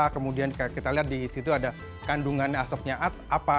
kemudian kita lihat di situ ada kandungan asepnya apa